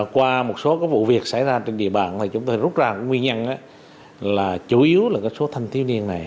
qua một số vụ việc xảy ra trên địa bàn thì chúng tôi rút ra cái nguyên nhân là chủ yếu là số thanh thiếu niên này